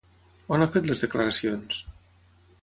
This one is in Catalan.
On han fet les declaracions?